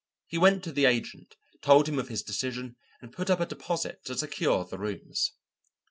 He went to the agent, told him of his decision, and put up a deposit to secure the rooms.